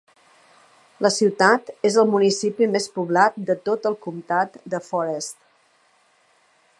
La ciutat és el municipi més poblat de tot el comtat de Forest.